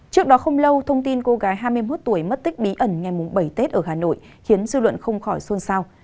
trước đó không lâu thông tin cô gái hai mươi một tuổi mất tích bí ẩn ngày bảy tết ở hà nội khiến dư luận không khỏi xôn xao